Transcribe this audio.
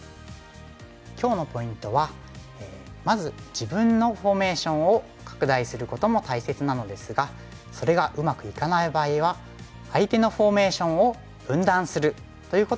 今日のポイントはまず自分のフォーメーションを拡大することも大切なのですがそれがうまくいかない場合は相手のフォーメーションを分断するということが大切になってきます。